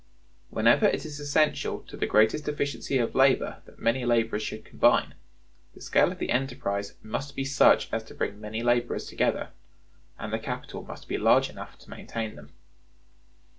Whenever it is essential to the greatest efficiency of labor that many laborers should combine, the scale of the enterprise must be such as to bring many laborers together, and the capital must be large enough to maintain them.